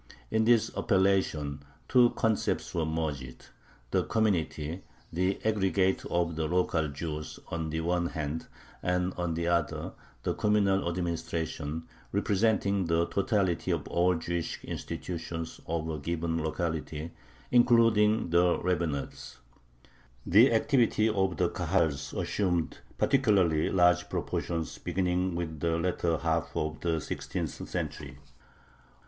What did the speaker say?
In this appellation two concepts were merged: the "community," the aggregate of the local Jews, on the one hand, and, on the other, the "communal administration," representing the totality of all the Jewish institutions of a given locality, including the rabbinate. The activity of the Kahals assumed particularly large proportions beginning with the latter half of the sixteenth century.